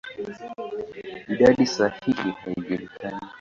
Idadi sahihi haijulikani.